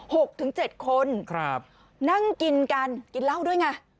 หกถึงเจ็ดคนครับนั่งกินกันกินเหล้าด้วยไง